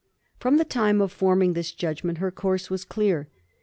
From the time of forming this judgment, her course was clear.